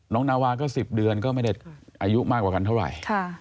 นาวาก็๑๐เดือนก็ไม่ได้อายุมากกว่ากันเท่าไหร่